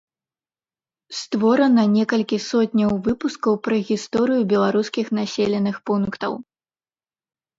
Створана некалькі сотняў выпускаў пра гісторыю беларускіх населеных пунктаў.